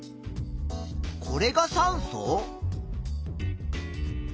これが酸素？